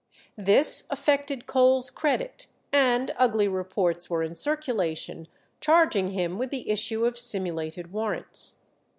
This affected Cole's credit, and ugly reports were in circulation charging him with the issue of simulated warrants.